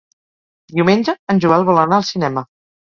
Diumenge en Joel vol anar al cinema.